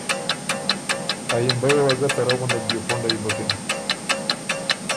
ا یِمبیه وه ګۀ ته رۀ غندک دیو پُنډئ بُکِن،